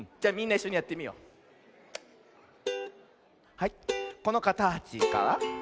はいこのかたちから。